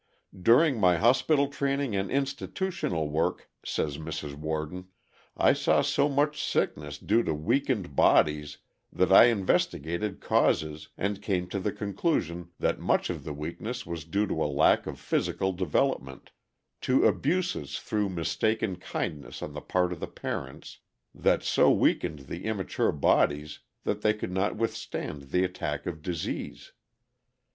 "'During my hospital training and institutional work,' says Mrs. Worden, 'I saw so much sickness due to weakened bodies that I investigated causes, and came to the conclusion that much of the weakness was due to a lack of physical development, to abuses through mistaken kindness on the part of the parents, that so weakened the immature bodies that they could not withstand the attack of disease.